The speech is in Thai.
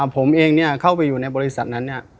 ผมเองเข้าไปอยู่ในบริษัทนั้นเนี่ย